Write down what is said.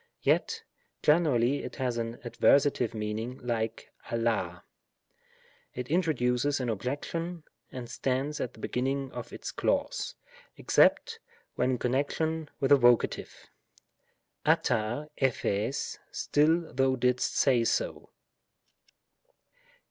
Yet generally it has an adversative meaning like dXXd. It introduces an objection, and stands at the beginning of its clause, except when in connection with a Voc. ; druQ t(pr](;y " still thou didst say so."